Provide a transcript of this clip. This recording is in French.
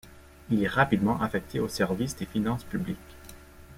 Il est rapidement affecté au service des finances publiques.